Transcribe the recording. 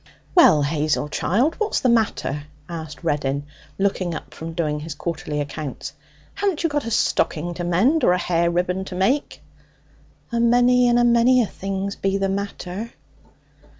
'Well, Hazel, child, what's the matter?' asked Reddin, looking up from doing his quarterly accounts. 'Haven't you got a stocking to mend or a hair ribbon to make?' 'A many and a many things be the matter.'